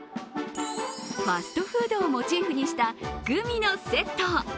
ファストフードをモチーフにしたグミのセット。